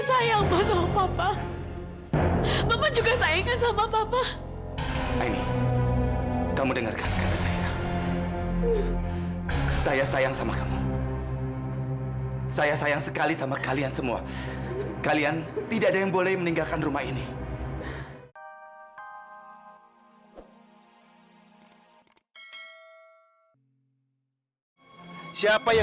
sampai jumpa di video selanjutnya